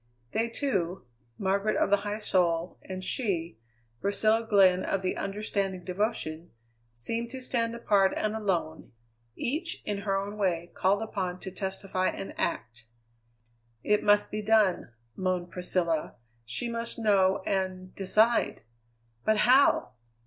They two, Margaret of the high soul, and she, Priscilla Glenn of the understanding devotion, seemed to stand apart and alone, each, in her way, called upon to testify and act. "It must be done!" moaned Priscilla; "she must know and decide! But how?